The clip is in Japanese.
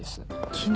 昨日？